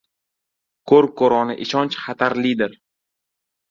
• Ko‘r-ko‘rona ishonch xatarlidir.